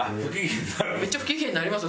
めっちゃ不機嫌になりますよ